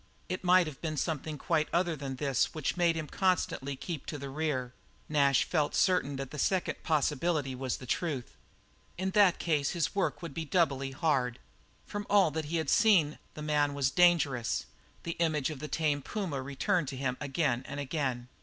It might have been something quite other than this which made him consistently keep to the rear; Nash felt certain that the second possibility was the truth. In that case his work would be doubly hard. From all that he had seen the man was dangerous the image of the tame puma returned to him again and again.